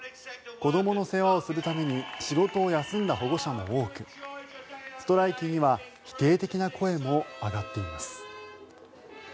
子どもの世話をするために仕事を休んだ保護者も多くストライキには否定的な声も上がっています。